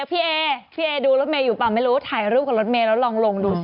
พี่เอพี่เอดูรถเมย์อยู่เปล่าไม่รู้ถ่ายรูปกับรถเมย์แล้วลองลงดูสิ